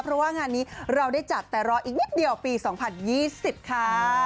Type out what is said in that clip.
เพราะว่างานนี้เราได้จัดแต่รออีกนิดเดียวปี๒๐๒๐ค่ะ